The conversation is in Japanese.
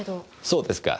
そうですか。